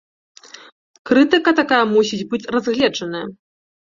Крытыка такая мусіць быць разгледжаная.